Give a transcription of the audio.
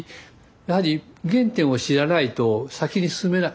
やはり原点を知らないと先に進めない。